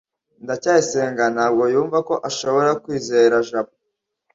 ndacyayisenga ntabwo yumva ko ashobora kwizera jabo